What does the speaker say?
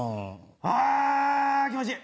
あ気持ちいい！